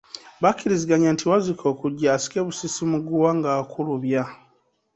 Bakkiriziganya nti Wazzike okujja asikebusisi muguwa ng’akulubya.